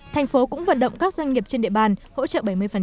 thành phố cũng vận động các doanh nghiệp trên địa bàn hỗ trợ bảy mươi